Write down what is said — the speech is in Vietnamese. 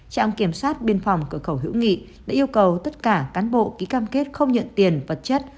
trạm kiểm soát biên phòng cửa khẩu hữu nghị đã yêu cầu tất cả cán bộ ký cam kết không nhận tiền vật chất